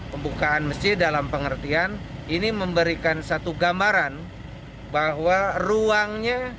pembukaan masjid dalam pengertian ini memberikan satu gambaran bahwa ruangnya